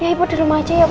ibu di rumah aja ya